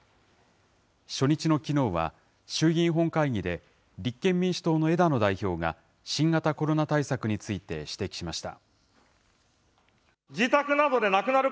初日のきのうは、衆議院本会議で、立憲民主党の枝野代表が、新型コロナ対策について指摘しました。